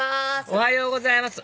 おはようございます